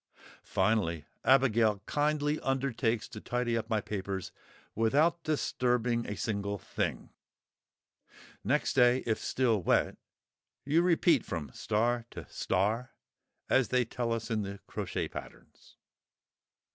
Finally, Abigail kindly undertakes to tidy up my papers "without disturbing a single thing!"* Next day (if still wet) you repeat from * to *, as they tell us in the crochet patterns.